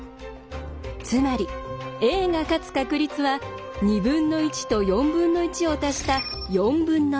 つまりＡが勝つ確率は２分の１と４分の１を足した４分の３。